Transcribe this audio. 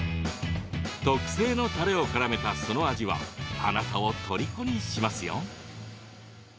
特製のたれをからめた、その味はあなたをとりこにしますよ。